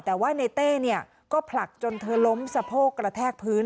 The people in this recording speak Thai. แต่ว่าในเต้เนี่ยก็ผลักจนเธอล้มสะโพกกระแทกพื้น